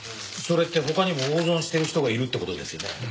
それって他にも大損してる人がいるって事ですよね？